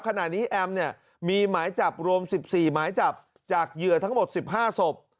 แอมเนี่ยมีหมายจับรวม๑๔หมายจับจากเหยื่อทั้งหมด๑๕ศพ